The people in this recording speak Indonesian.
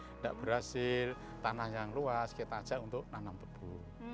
tidak berhasil tanah yang luas kita ajak untuk nanam tebu